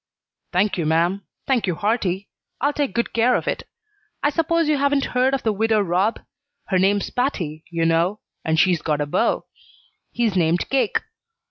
"Thank you, ma'am. Thank you hearty. I'll take good care of it. I suppose you haven't heard of the widow Robb? Her name's Patty, you know, and she's got a beau. He's named Cake.